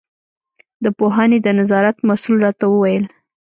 د پوهنې د نظارت مسوول راته وویل.